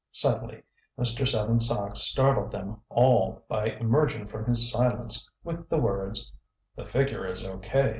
Suddenly Mr. Seven Sachs startled them all by emerging from his silence with the words: "The figure is O.